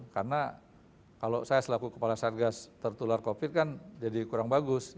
karena kalau saya selaku kepala sargas tertular covid kan jadi kurang bagus